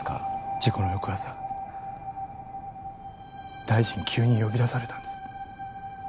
事故の翌朝大臣急に呼び出されたんです。